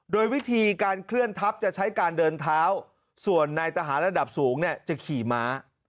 โดยวิธีการเคลื่อนทัพจะใช้การเดินเท้าส่วนในทหารระดับสูงเนี่ยจะขี่ม้า